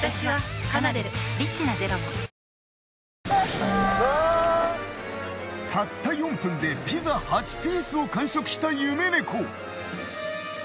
たった４分でピザ８ピースを完食した夢猫。